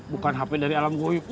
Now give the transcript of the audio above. bukan hp dari alam goipu